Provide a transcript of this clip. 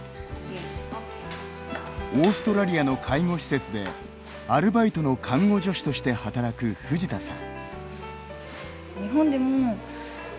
オーストラリアの介護施設でアルバイトの看護助手として働く藤田さん。